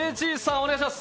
お願いします。